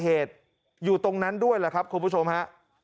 เหตุอยู่ตรงนั้นด้วยแหละครับคุณผู้ชมฮะ